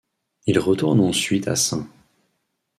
Il retourne ensuite à St.